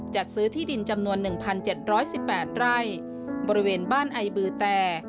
จัดซื้อที่ดินจำนวน๑๗๑๘ไร่บริเวณบ้านไอบือแต่